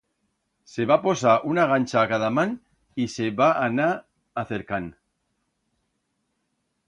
Se va posar una gancha a cada man y se va anar acercand.